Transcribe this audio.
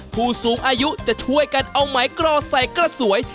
ผู้สูงอายุจะช่วยกันเอาไหมกรอใส่กระสวย